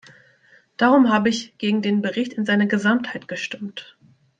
Darum habe ich gegen den Bericht in seiner Gesamtheit gestimmt.